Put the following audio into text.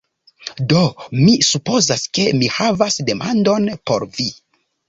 Do mi supozas ke mi havas demandon por vi: